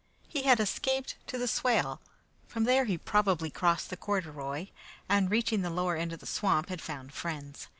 He had escaped to the swale; from there he probably crossed the corduroy, and reaching the lower end of the swamp, had found friends.